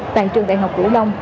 tại trường đại học vũ long